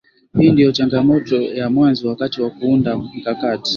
Hii ndio changamoto ya mwanzo wakati wa kuandaa mkakati